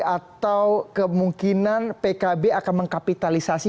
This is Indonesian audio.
atau kemungkinan pkb akan mengkapitalisasi